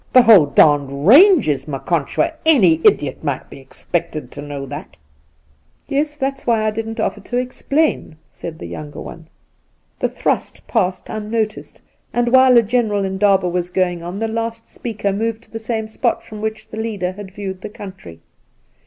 The whole d d range is Maconchwa. Any idiot might be expected to know that.' Induna Nairii 8i ' Yes, that's why I didn't offer to explain,' said the younger one. The thrust passed unnoticed, and while a. general indaha was going on the last speaker moved to the same spot from which the leader had viewed the country.